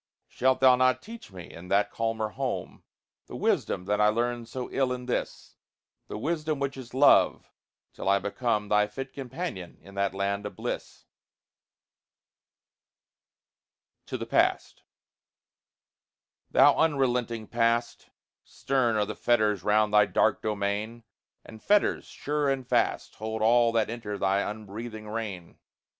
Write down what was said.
Shalt thou not teach me, in that calmer home, The wisdom that I learned so ill in this The wisdom which is love till I become Thy fit companion in that land of bliss? D. Appleton and Company, New York. TO THE PAST Thou unrelenting Past! Stern are the fetters round thy dark domain, And fetters, sure and fast, Hold all that enter thy unbreathing reign.